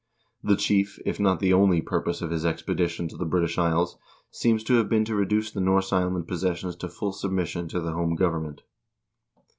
The chief, if not the only, purpose of his expedition to the British Isles seems to have been to reduce the Norse island possessions to full submission to the home government.